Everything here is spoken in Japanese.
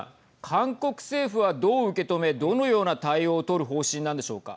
韓国政府はどう受け止めどのような対応を取る方針なんでしょうか。